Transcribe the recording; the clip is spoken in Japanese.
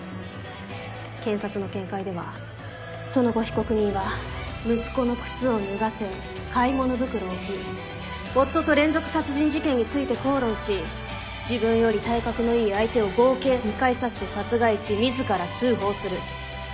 検察の見解ではその後被告人は息子の靴を脱がせ買い物袋を置き夫と連続殺人事件について口論し自分より体格のいい相手を合計２回刺して殺害し自ら通報する。